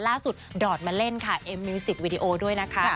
ดอดมาเล่นค่ะเอ็มมิวสิกวีดีโอด้วยนะคะ